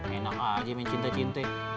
enak aja mencinta cinta